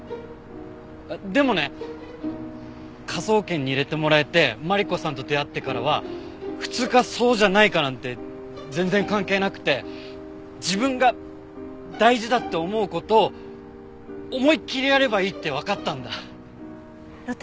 でもね科捜研に入れてもらえてマリコさんと出会ってからは普通かそうじゃないかなんて全然関係なくて自分が大事だって思う事を思いっきりやればいいってわかったんだ。